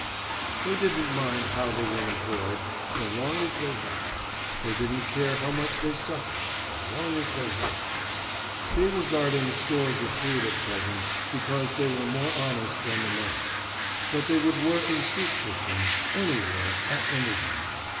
They didn't mind how they were employed, so long as they helped. They didn't care how much they suffered, so long as they helped. They were guarding stores of food at present because they were more honest than the men. But they would work in soup kitchens, anywhere, at anything.